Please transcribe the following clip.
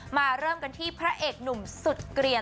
เริ่มกันที่พระเอกหนุ่มสุดเกลียน